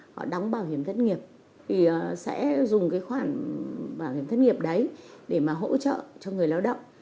họ đóng bảo hiểm thất nghiệp thì sẽ dùng cái khoản bảo hiểm thất nghiệp đấy để mà hỗ trợ cho người lao động